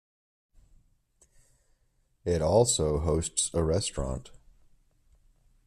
It also hosts a restaurant.